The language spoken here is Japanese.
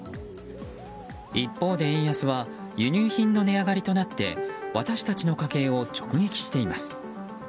一方で円安は輸入品の値上がりとなって私たちの家計を直撃しています。